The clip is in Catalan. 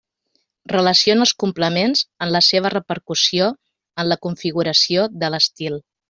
Relaciona els complements amb la seva repercussió en la configuració de l'estil.